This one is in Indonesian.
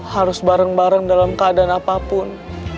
harus bareng bareng dalam keadaan apapun